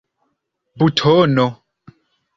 butono